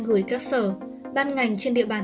gửi các sở ban ngành trên địa bàn